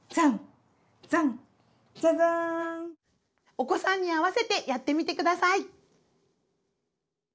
お子さんに合わせてやってみてください。